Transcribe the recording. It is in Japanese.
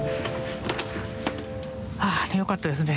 ああよかったですね